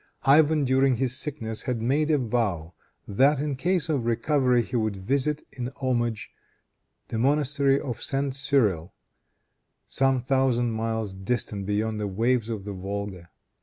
Ivan during his sickness had made a vow that, in case of recovery, he would visit, in homage, the monastery of St. Cyrille, some thousand miles distant beyond the waves of the Volga.